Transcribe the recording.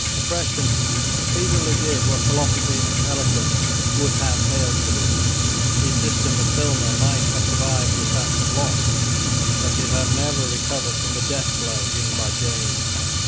Oppression speedily did what philosophy and eloquence would have failed to do. The system of Filmer might have survived the attacks of Locke: but it never recovered from the death blow given by James.